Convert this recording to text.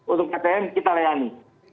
untuk ptm kita layani